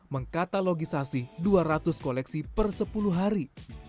mengkatalogisasi dua ratus koleksi per sepuluh hari